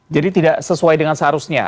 jadi tidak sesuai dengan seharusnya